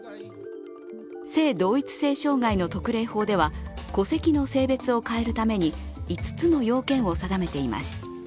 性同一性障害の特例法では戸籍の性別を変えるために５つの要件を定めています。